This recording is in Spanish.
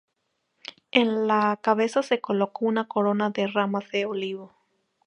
En la cabeza se colocó una corona de ramas de olivo.